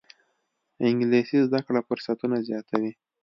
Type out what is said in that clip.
انګلیسي زده کړه فرصتونه زیاتوي